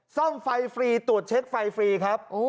ซ่อมไฟฟรีตรวจเช็คไฟฟรีครับ